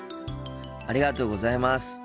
ありがとうございます。